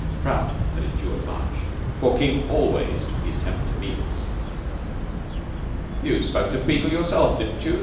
Prout had endured much, for King always took his temper to meals. "You spoke to Beetle yourself, didn't you?